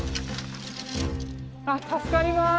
あっ助かります。